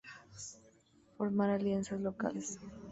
Formar alianzas locales.